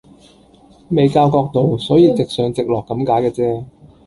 未校角度，所以直上直落咁解嘅啫